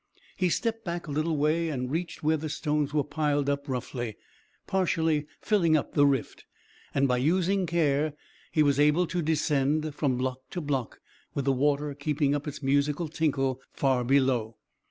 He stepped back a little way and reached where the stones were piled up roughly, partially filling up the rift, and by using care he was able to descend from block to block, with the water keeping up its musical tinkle far below.